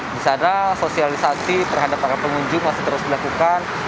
di sana sosialisasi terhadap para pengunjung masih terus dilakukan